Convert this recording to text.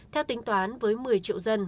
theo tính toán với một mươi triệu dân